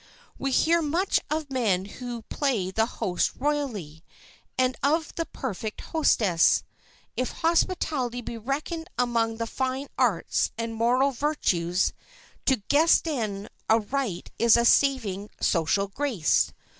We hear much of men who play the host royally, and of the perfect hostess. If hospitality be reckoned among the fine arts and moral virtues, to "guesten" aright is a saving social grace.